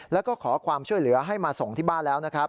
แล้วก็ขอความช่วยเหลือให้มาส่งที่บ้านแล้วนะครับ